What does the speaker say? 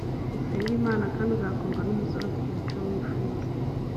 usenge imana kandi uzakundwa n’umusore ufite imico wifuza